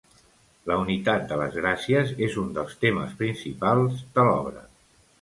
La unitat de les Gràcies és un dels temes principals de l'obra.